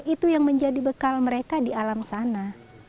itu yang menjadi bekal mereka di alam sana